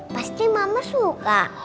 pasti mama suka